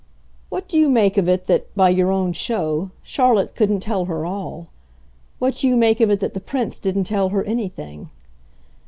"What do you make of it that, by your own show, Charlotte couldn't tell her all? What do you make of it that the Prince didn't tell her anything?